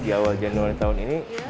di awal januari tahun ini